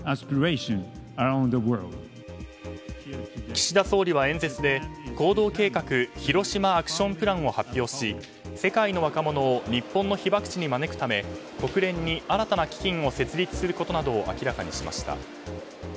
岸田総理は演説で行動計画、ヒロシマ・アクション・プランを発表し世界の若者を日本の被爆地に招くため国連に新たな基金を設立することなどを明らかにしました。